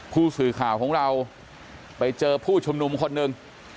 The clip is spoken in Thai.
ผู้สื่อข่าวของเราไปเจอผู้ชุมนุมคนหนึ่ง